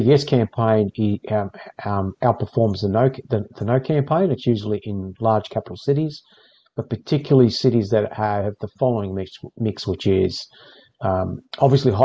jelasnya pendidikan tinggi di antara orang orang milenial